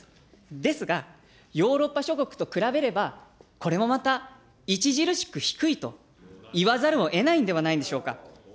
ですが、ヨーロッパ諸国と比べれば、これもまた、著しく低いと言わざるをえないんではないでしょうか。